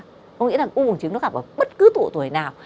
tôi nghĩ là u năng buồn trứng nó gặp ở bất cứ tuổi nào